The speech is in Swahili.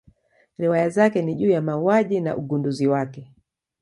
Riwaya zake ni juu ya mauaji na ugunduzi wake.